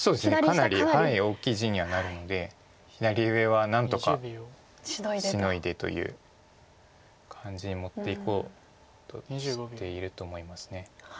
かなり大きい地にはなるので左上は何とかシノいでという感じに持っていこうとしていると思います。